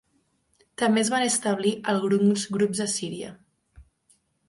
També es van establir alguns grups a Síria.